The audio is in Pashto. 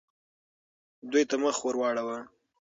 دوی ته مخ ورواړوه.